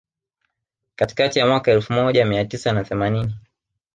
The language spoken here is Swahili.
Katikati ya mwaka elfu moja mia tisa na themanini